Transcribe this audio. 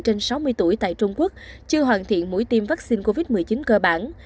trên sáu mươi tuổi tại trung quốc chưa hoàn thiện mũi tiêm vaccine covid một mươi chín cơ bản